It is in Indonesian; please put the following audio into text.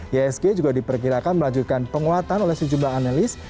ihsg juga diperkirakan melanjutkan penguatan oleh sejumlah analis